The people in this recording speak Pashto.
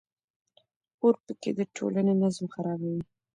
اورپکي د ټولنې نظم خرابوي.